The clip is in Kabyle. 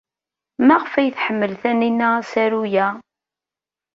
Maɣef ay tḥemmel Taninna asaru-a?